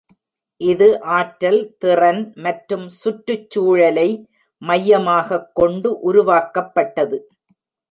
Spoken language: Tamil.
இது ஆற்றல் திறன் மற்றும் சுற்றுச்சூழலை மையமாகக் கொண்டு உருவாக்கப்பட்டது.